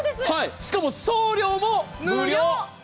しかも、送料も無料。